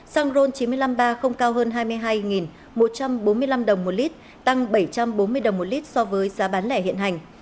xăng ron chín trăm năm mươi ba không cao hơn hai mươi hai một trăm bốn mươi năm đồng một lít tăng bảy trăm bốn mươi đồng một lít so với giá bán lẻ hiện hành